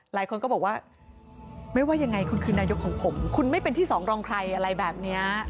หลายคนก็บอกว่าไม่ว่ายังไงคุณคือนายกของผมคุณไม่เป็นที่สองรองใครอะไรแบบนี้